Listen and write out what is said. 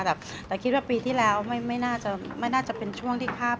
แต่คิดว่าปีที่แล้วไม่น่าจะเป็นช่วงที่คาดกัน